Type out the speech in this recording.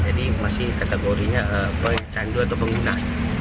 jadi masih kategorinya pencandu atau pengguna